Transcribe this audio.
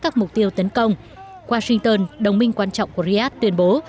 các mục tiêu tấn công washington đồng minh quan trọng của riad tuyên bố